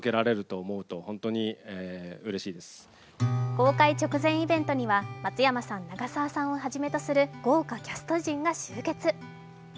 公開直前イベントには松山さん、長澤さんをはじめとする豪華キャスト陣が集結。